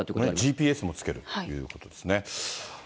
ＧＰＳもつけるということですね。